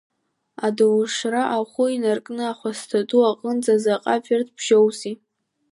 Адаужра ахәы инаркны Аҳәысҭа ду аҟынӡа заҟа верс бжьоузеи?